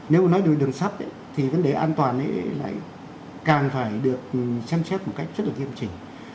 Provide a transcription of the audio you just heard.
nếu nói đường sắt thì vấn đề an toàn lại càng phải được xem xét một cách rất là nghiêm trình